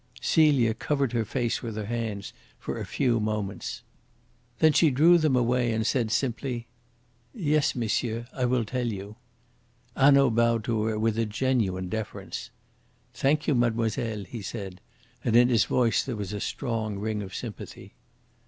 Celia covered her face with her hands for a few moments. Then she drew them away and said simply: "Yes, monsieur, I will tell you." Hanaud bowed to her with a genuine deference. "Thank you, mademoiselle," he said, and in his voice there was a strong ring of sympathy.